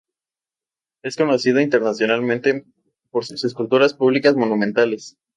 Es conocido internacionalmente por sus esculturas públicas monumentales.